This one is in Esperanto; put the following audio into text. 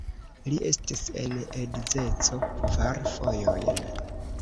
Li estis en edzeco kvar fojojn.